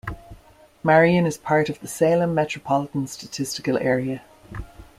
Marion is part of the Salem Metropolitan Statistical Area.